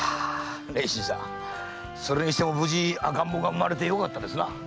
それにしても無事赤ん坊が産まれてよかったですな。